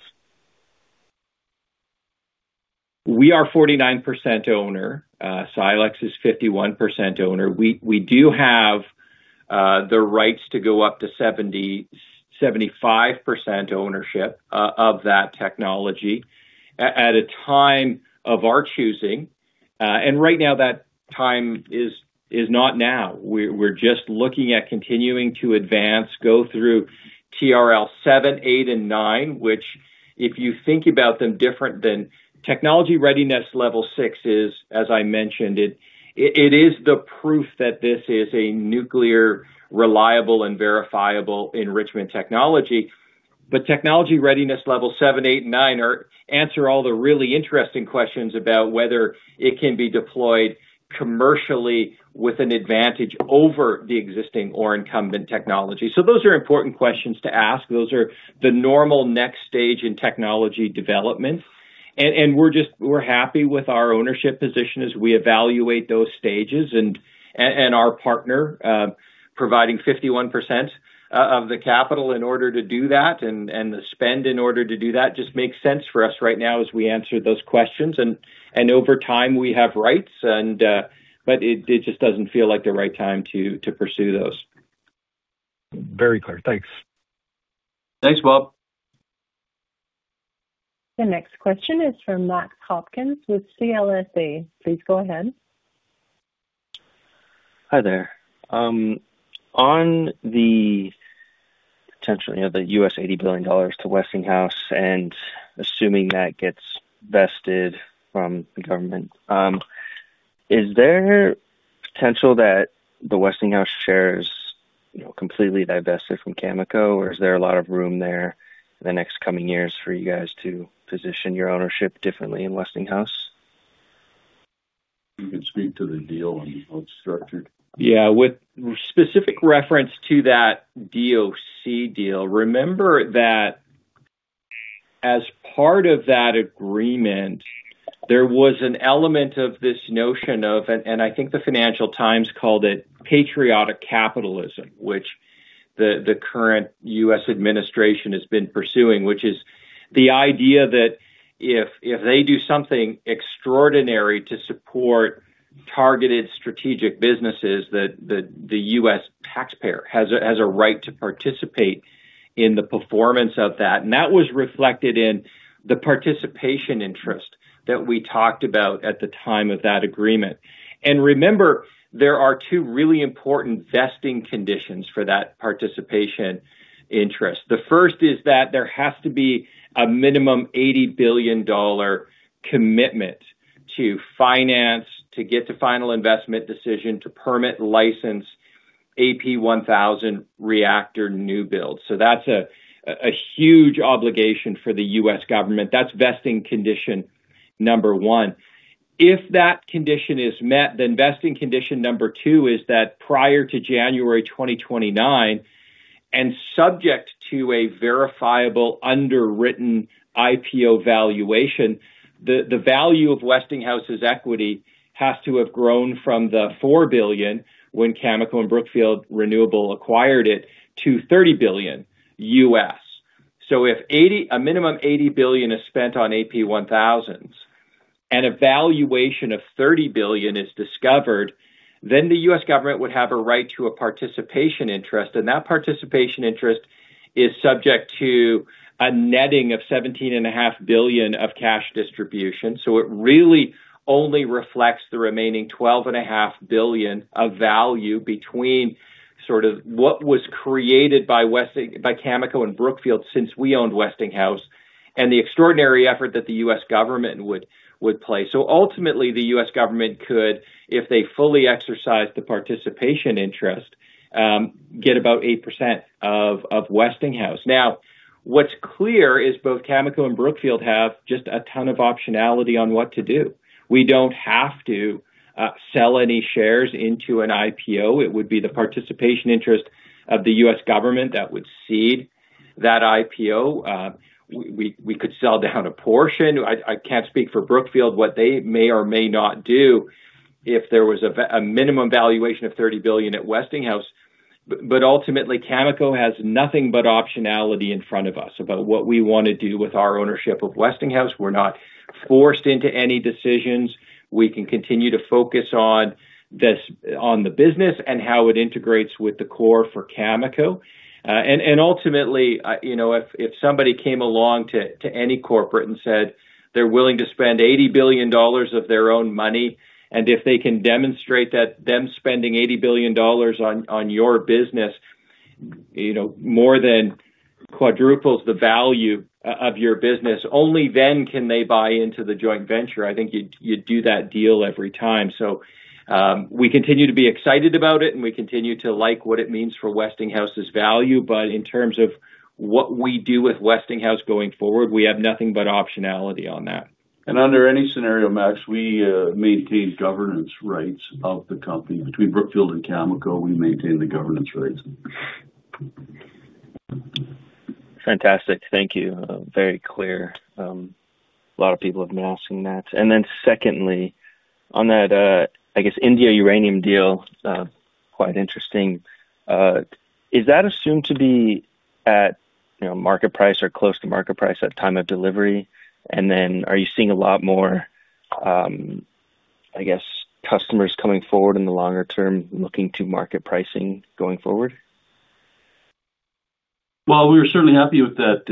We are 49% owner. Silex is 51% owner. We do have the rights to go up to 70%, 75% ownership of that technology at a time of our choosing. Right now that time is not now. We're just looking at continuing to advance, go through TRL 7, 8, and 9, which if you think about them different than Technology Readiness Level 6 is, as I mentioned it is the proof that this is a nuclear reliable and verifiable enrichment technology. Technology Readiness Level 7, 8, and 9 answer all the really interesting questions about whether it can be deployed commercially with an advantage over the existing or incumbent technology. Those are important questions to ask. Those are the normal next stage in technology development. We're happy with our ownership position as we evaluate those stages, and our partner providing 51% of the capital in order to do that and the spend in order to do that just makes sense for us right now as we answer those questions. Over time, we have rights, but it just doesn't feel like the right time to pursue those. Very clear. Thanks. Thanks, Bob. The next question is from Max Hopkins with CLSA. Please go ahead. Hi there. On the potential, you know, the U.S. $80 billion to Westinghouse, and assuming that gets vested from the government, is there potential that the Westinghouse shares, you know, completely divested from Cameco, or is there a lot of room there in the next coming years for you guys to position your ownership differently in Westinghouse? You can speak to the deal and how it's structured. Yeah. With specific reference to that DOC deal, remember that as part of that agreement, there was an element of this notion of, I think the Financial Times called it patriotic capitalism, which the current U.S. administration has been pursuing, which is the idea that if they do something extraordinary to support targeted strategic businesses, that the U.S. taxpayer has a right to participate in the performance of that. That was reflected in the participation interest that we talked about at the time of that agreement. Remember, there are two really important vesting conditions for that participation interest. The first is that there has to be a minimum $80 billion commitment to finance, to get to final investment decision to permit license AP1000 reactor new builds. That's a huge obligation for the U.S. government. That's vesting condition number one. If that condition is met, then vesting condition number two is that prior to January 2029, and subject to a verifiable underwritten IPO valuation, the value of Westinghouse's equity has to have grown from the $4 billion when Cameco and Brookfield Renewable acquired it to $30 billion. If a minimum $80 billion is spent on AP1000, and a valuation of $30 billion is discovered, then the U.S. government would have a right to a participation interest, and that participation interest is subject to a netting of $17.5 billion of cash distribution. It really only reflects the remaining $12.5 billion of value between sort of what was created by Cameco and Brookfield since we owned Westinghouse, and the extraordinary effort that the U.S. government would play. Ultimately, the U.S. government could, if they fully exercise the participation interest, get about 8% of Westinghouse. What's clear is both Cameco and Brookfield have just a ton of optionality on what to do. We don't have to sell any shares into an IPO. It would be the participation interest of the U.S. government that would cede that IPO. We could sell down a portion. I can't speak for Brookfield, what they may or may not do if there was a minimum valuation of $30 billion at Westinghouse. But ultimately, Cameco has nothing but optionality in front of us about what we wanna do with our ownership of Westinghouse. We're not forced into any decisions. We can continue to focus on the business and how it integrates with the core for Cameco. Ultimately, you know, if somebody came along to any corporate and said they're willing to spend $80 billion of their own money, and if they can demonstrate that them spending $80 billion on your business, you know, more than quadruples the value of your business, only then can they buy into the joint venture. I think you'd do that deal every time. We continue to be excited about it, and we continue to like what it means for Westinghouse's value. In terms of what we do with Westinghouse going forward, we have nothing but optionality on that. Under any scenario, Max, we maintain governance rights of the company. Between Brookfield and Cameco, we maintain the governance rights. Fantastic. Thank you. Very clear. A lot of people have been asking that. Secondly, on that, I guess India uranium deal, quite interesting. Is that assumed to be at, you know, market price or close to market price at time of delivery? Are you seeing a lot more, I guess, customers coming forward in the longer term looking to market pricing going forward? We were certainly happy with that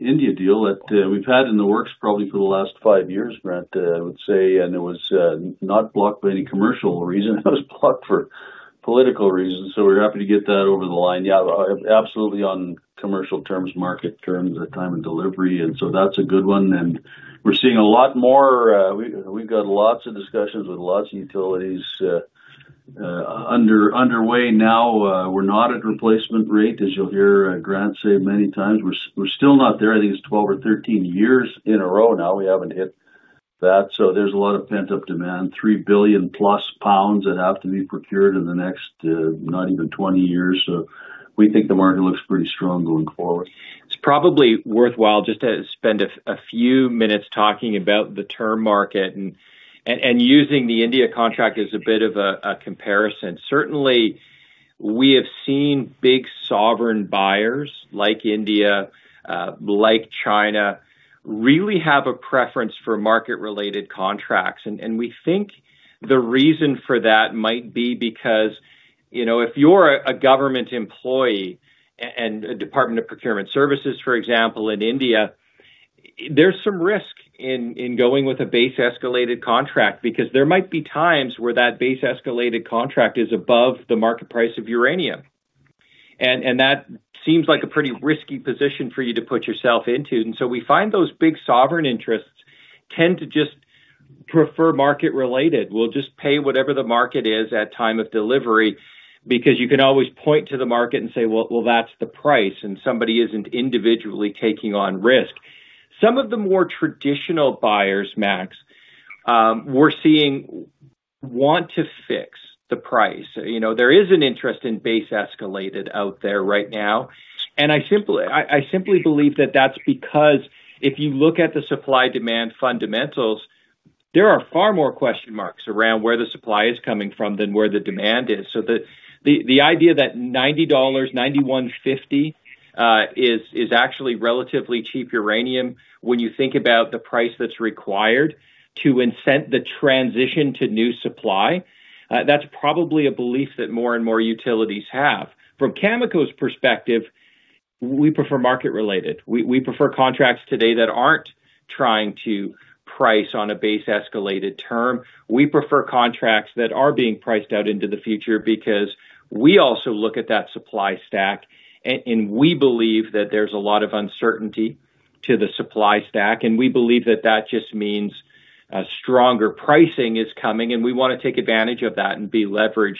India deal that we've had in the works probably for the last five years, Brent, I would say, and it was not blocked by any commercial reason. It was blocked for political reasons. We're happy to get that over the line. Absolutely on commercial terms, market terms at time of delivery, that's a good one. We're seeing a lot more, we've got lots of discussions with lots of utilities underway now. We're not at replacement rate, as you'll hear Grant say many times. We're still not there. I think it's 12 or 13 years in a row now we haven't hit that. There's a lot of pent-up demand 3+ billion pounds that have to be procured in the next not even 20 years. We think the market looks pretty strong going forward. It's probably worthwhile just to spend a few minutes talking about the term market and using the India contract as a bit of a comparison. Certainly, we have seen big sovereign buyers like India, like China, really have a preference for market-related contracts. We think the reason for that might be because, you know, if you're a government employee and a department of procurement services, for example, in India, there's some risk in going with a base-escalated contract because there might be times where that base-escalated contract is above the market price of uranium. That seems like a pretty risky position for you to put yourself into. We find those big sovereign interests tend to just prefer market related. We'll just pay whatever the market is at time of delivery because you can always point to the market and say, "Well, well, that's the price," and somebody isn't individually taking on risk. Some of the more traditional buyers, Max, we're seeing want to fix the price. You know, there is an interest in base escalated out there right now. I simply believe that that's because if you look at the supply-demand fundamentals, there are far more question marks around where the supply is coming from than where the demand is. The idea that $90, $91.50 is actually relatively cheap uranium when you think about the price that's required to incent the transition to new supply, that's probably a belief that more and more utilities have. From Cameco's perspective we prefer market related. We prefer contracts today that aren't trying to price on a base escalated term. We prefer contracts that are being priced out into the future because we also look at that supply stack and we believe that there's a lot of uncertainty to the supply stack. We believe that that just means a stronger pricing is coming, and we wanna take advantage of that and be leveraged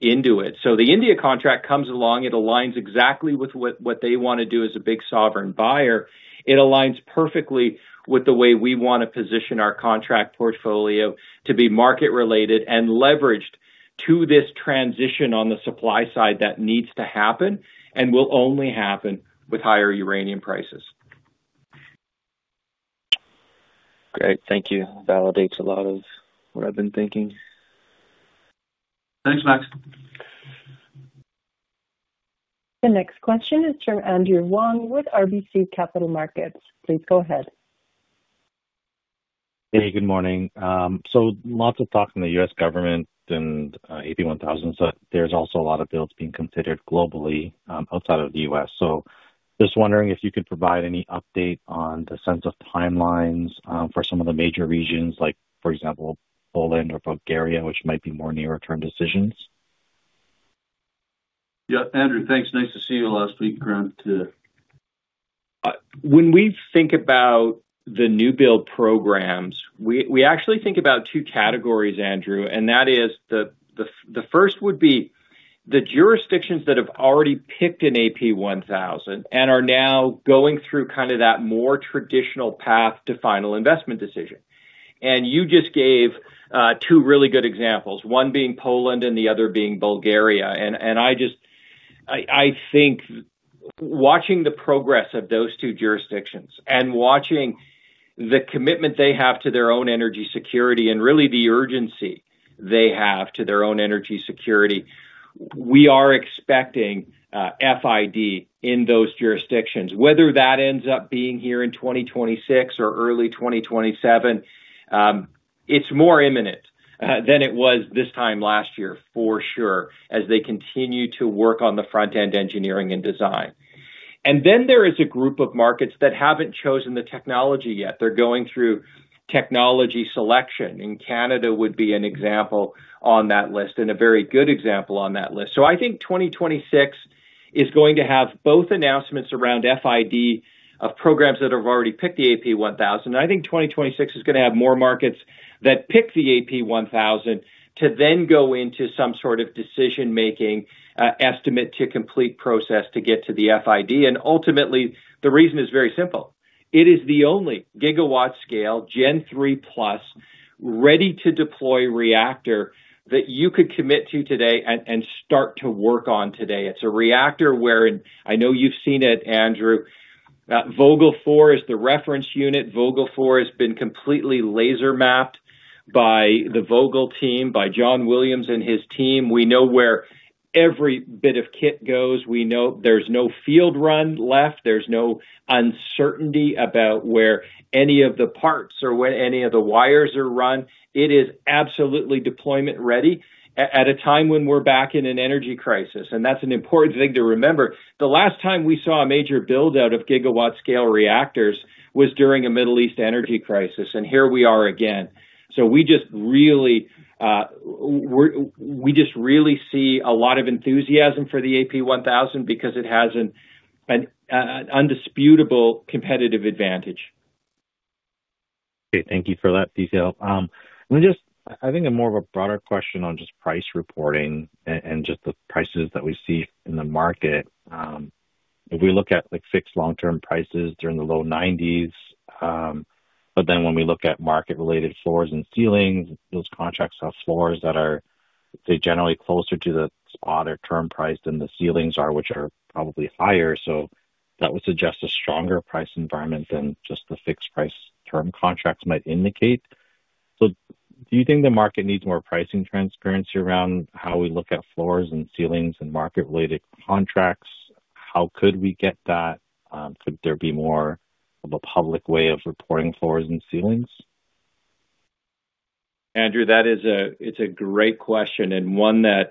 into it. The India contract comes along, it aligns exactly with what they wanna do as a big sovereign buyer. It aligns perfectly with the way we wanna position our contract portfolio to be market related and leveraged to this transition on the supply side that needs to happen and will only happen with higher uranium prices. Great. Thank you. Validates a lot of what I've been thinking. Thanks, Max. The next question is from Andrew Wong with RBC Capital Markets. Please go ahead. Hey, good morning. Lots of talk from the U.S. government and AP1000, so there's also a lot of builds being considered globally outside of the U.S. Just wondering if you could provide any update on the sense of timelines for some of the major regions, like for example, Poland or Bulgaria, which might be more near-term decisions. Andrew, thanks. Nice to see you last week. Grant too. When we think about the new build programs, we actually think about two categories, Andrew, and that is the first would be the jurisdictions that have already picked an AP1000 and are now going through kind of that more traditional path to final investment decision. You just gave two really good examples, one being Poland and the other being Bulgaria. I just think watching the progress of those two jurisdictions and watching the commitment they have to their own energy security and really the urgency they have to their own energy security, we are expecting FID in those jurisdictions. Whether that ends up being here in 2026 or early 2027, it's more imminent than it was this time last year, for sure, as they continue to work on the front-end engineering and design. There is a group of markets that haven't chosen the technology yet. They're going through technology selection, and Canada would be an example on that list, and a very good example on that list. I think 2026 is going to have both announcements around FID of programs that have already picked the AP1000, and I think 2026 is going to have more markets that pick the AP1000 to then go into some sort of decision-making, estimate-to-complete process to get to the FID. Ultimately, the reason is very simple. It is the only gigawatt scale Gen III+ ready-to-deploy reactor that you could commit to today and start to work on today. It's a reactor where, I know you've seen it, Andrew, Vogtle Unit 4 is the reference unit. Vogtle Unit 4 has been completely laser mapped by the Vogtle team, by John Williams and his team. We know where every bit of kit goes. We know there's no field run left. There's no uncertainty about where any of the parts or where any of the wires are run. It is absolutely deployment ready at a time when we're back in an energy crisis. That's an important thing to remember. The last time we saw a major build-out of gigawatt scale reactors was during a Middle East energy crisis. Here we are again. We just really see a lot of enthusiasm for the AP1000 because it has an undisputable competitive advantage. Okay. Thank you for that detail. Let me just I think a more of a broader question on just price reporting and just the prices that we see in the market. If we look at like fixed long-term prices during the low $90s, when we look at market-related floors and ceilings, those contracts have floors that are, say, generally closer to the spot or term price than the ceilings are, which are probably higher. That would suggest a stronger price environment than just the fixed price term contracts might indicate. Do you think the market needs more pricing transparency around how we look at floors and ceilings and market-related contracts? How could we get that? Could there be more of a public way of reporting floors and ceilings? Andrew, that is, it's a great question and one that,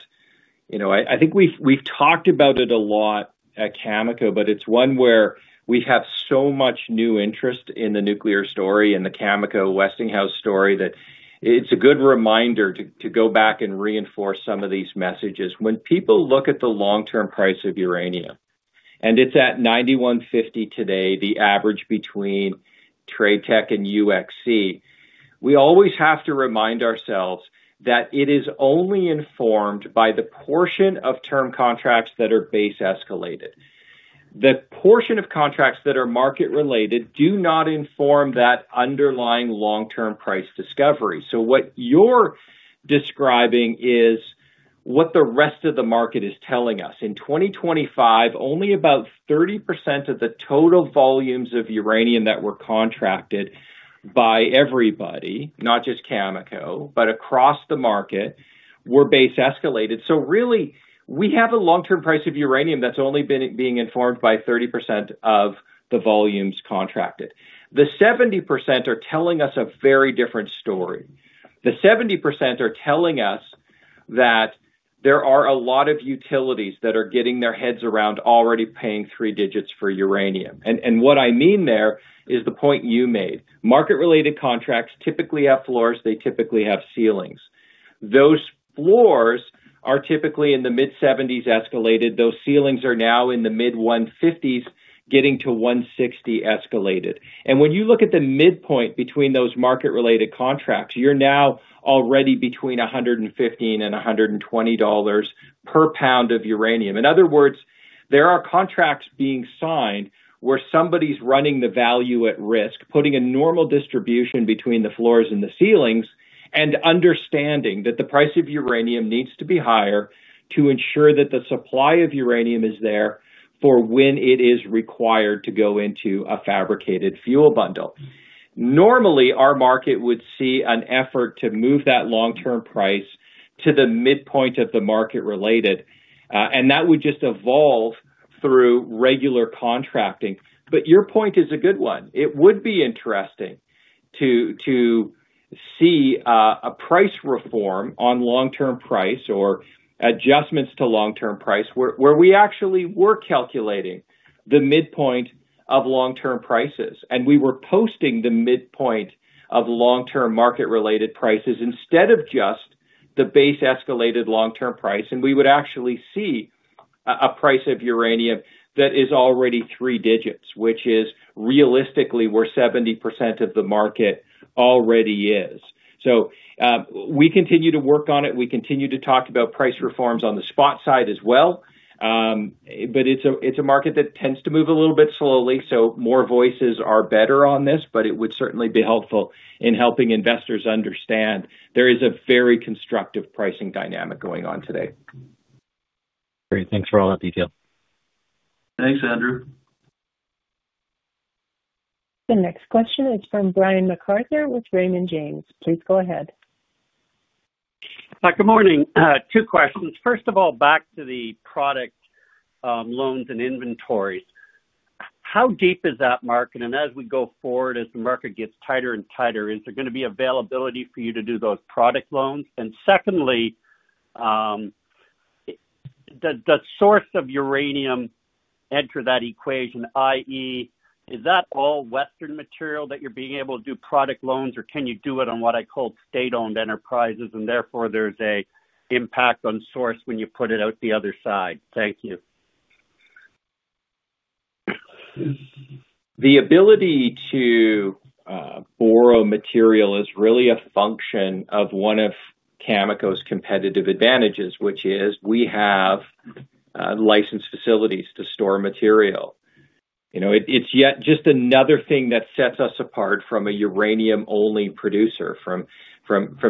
you know, I think we've talked about it a lot at Cameco, but it's one where we have so much new interest in the nuclear story and the Cameco Westinghouse story that it's a good reminder to go back and reinforce some of these messages. When people look at the long-term price of uranium, and it's at $91.50 today, the average between TradeTech and UxC, we always have to remind ourselves that it is only informed by the portion of term contracts that are base escalated. The portion of contracts that are market related do not inform that underlying long-term price discovery. What you're describing is what the rest of the market is telling us. In 2025, only about 30% of the total volumes of uranium that were contracted by everybody, not just Cameco, but across the market, were base-escalated. We have a long-term price of uranium that's only been informed by 30% of the volumes contracted. The 70% are telling us a very different story. The 70% are telling us there are a lot of utilities that are getting their heads around already paying three digits for uranium. What I mean there is the point you made. Market-related contracts typically have floors, they typically have ceilings. Those floors are typically in the $70 escalated. Those ceilings are now in the mid $150 getting to $160 escalated. When you look at the midpoint between those market-related contracts, you are now already between $115 and $120 per pound of uranium. In other words, there are contracts being signed where somebody's running the value at risk, putting a normal distribution between the floors and the ceilings, and understanding that the price of uranium needs to be higher to ensure that the supply of uranium is there for when it is required to go into a fabricated fuel bundle. Normally, our market would see an effort to move that long-term price to the midpoint of the market related, and that would just evolve through regular contracting. Your point is a good one. It would be interesting to see a price reform on long-term price or adjustments to long-term price where we actually were calculating the midpoint of long-term prices, and we were posting the midpoint of long-term market-related prices instead of just the base escalated long-term price. We would actually see a price of uranium that is already three digits, which is realistically where 70% of the market already is. We continue to work on it. We continue to talk about price reforms on the spot side as well. It's a market that tends to move a little bit slowly, so more voices are better on this, but it would certainly be helpful in helping investors understand there is a very constructive pricing dynamic going on today. Great. Thanks for all that detail. Thanks, Andrew. The next question is from Brian MacArthur with Raymond James. Please go ahead. Hi, good morning, two questions, first of all, back to the product, loans and inventories. How deep is that market? As we go forward, as the market gets tighter and tighter, is there gonna be availability for you to do those product loans? Secondly, the source of uranium enter that equation, i.e., is that all Western material that you're being able to do product loans, or can you do it on what I call state-owned enterprises, and therefore there's a impact on source when you put it out the other side? Thank you. The ability to borrow material is really a function of one of Cameco's competitive advantages, which is we have licensed facilities to store material. You know, it's yet just another thing that sets us apart from a uranium-only producer, from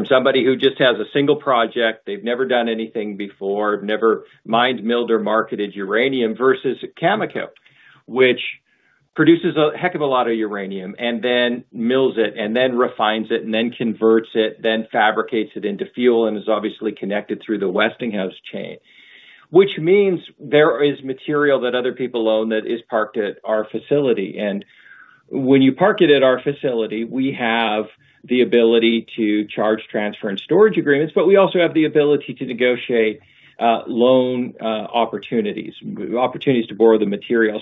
somebody who just has a single project, they've never done anything before, never mined, milled, or marketed uranium, versus Cameco, which produces a heck of a lot of uranium and then mills it and then refines it and then converts it, then fabricates it into fuel and is obviously connected through the Westinghouse chain. Which means there is material that other people own that is parked at our facility. When you park it at our facility, we have the ability to charge transfer and storage agreements, but we also have the ability to negotiate loan opportunities to borrow the material.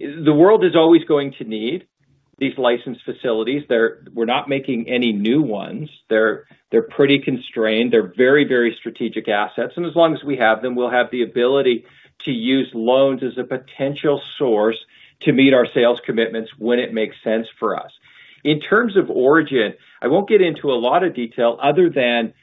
The world is always going to need these licensed facilities. We're not making any new ones. They're pretty constrained. They're very, very strategic assets, and as long as we have them, we'll have the ability to use loans as a potential source to meet our sales commitments when it makes sense for us. In terms of origin, I won't get into a lot of detail other than,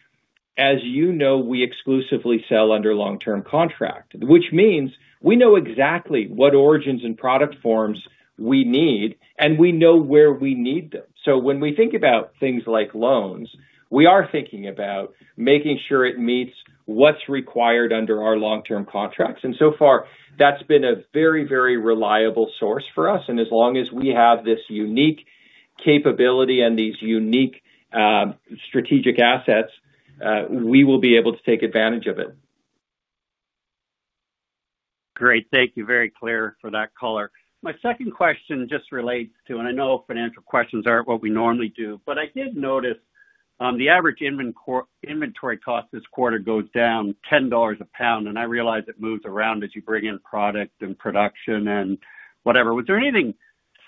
as you know, we exclusively sell under long-term contract, which means we know exactly what origins and product forms we need, and we know where we need them. When we think about things like loans, we are thinking about making sure it meets what's required under our long-term contracts. So far, that's been a very, very reliable source for us. As long as we have this unique capability and these unique strategic assets, we will be able to take advantage of it. Great. Thank you. Very clear for that color. My second question just relates to, and I know financial questions aren't what we normally do, but I did notice, the average inventory cost this quarter goes down $10 a pound, and I realize it moves around as you bring in product and production and whatever. Was there anything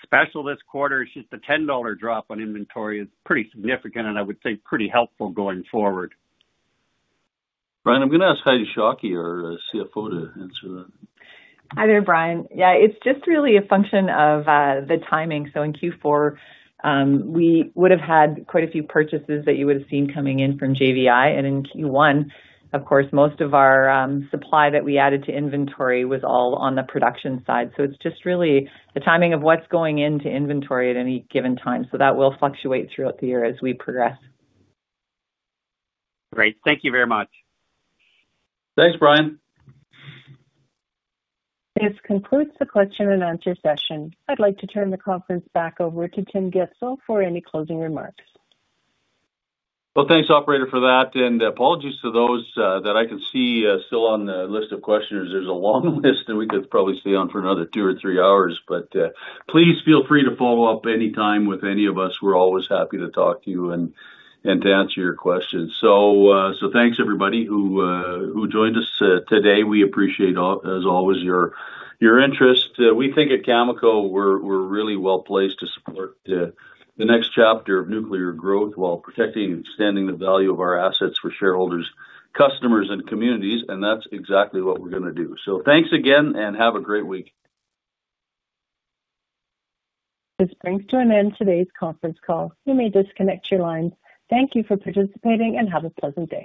special this quarter? It's just a $10 drop on inventory is pretty significant, and I would say pretty helpful going forward. Brian, I'm gonna ask Heidi Shockey, our CFO, to answer that. Hi there, Brian. It's just really a function of the timing. In Q4, we would have had quite a few purchases that you would have seen coming in from JVI. In Q1, of course, most of our supply that we added to inventory was all on the production side. It's just really the timing of what's going into inventory at any given time. That will fluctuate throughout the year as we progress. Great. Thank you very much. Thanks, Brian. This concludes the question and answer session. I'd like to turn the conference back over to Tim Gitzel for any closing remarks. Thanks, operator, for that, and apologies to those that I can see still on the list of questioners. There's a long list, and we could probably stay on for another two or three hours, but please feel free to follow up anytime with any of us. We're always happy to talk to you and to answer your questions. Thanks, everybody, who joined us today. We appreciate all, as always, your interest. We think at Cameco, we're really well placed to support the next chapter of nuclear growth while protecting and extending the value of our assets for shareholders, customers, and communities, and that's exactly what we're gonna do. Thanks again, and have a great week. This brings to an end today's conference call. You may disconnect your lines. Thank you for participating, and have a pleasant day.